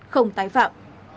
không tái phạm